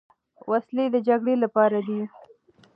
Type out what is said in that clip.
وسلې د جګړې لپاره دي.